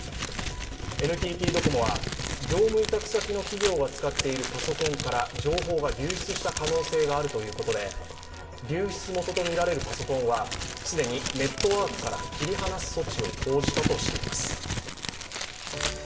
ＮＴＴドコモは、業務委託先の企業が使っているパソコンから情報が流出した可能性があるということで流出元とみられるパソコンは既にネットワークから切り離す措置を講じたとしています。